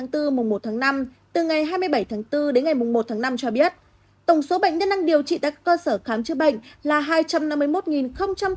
trong kỳ nghỉ lễ ba mươi bốn một năm từ ngày hai mươi bảy bốn một năm cho biết tổng số bệnh nhân năng điều trị tại cơ sở khám chữa bệnh là hai trăm năm mươi một tám mươi chín người